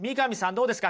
どうですか？